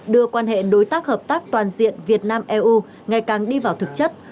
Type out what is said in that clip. đưa quan hệ đối tác hợp tác toàn diện việt nam eu ngày càng đi vào thực chất